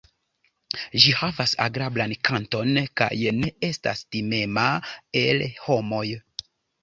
Ĝi havas agrablan kanton kaj ne estas timema el homoj.